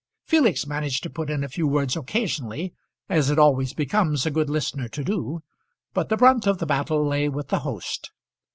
Felix managed to put in a few words occasionally, as it always becomes a good listener to do, but the brunt of the battle lay with the host.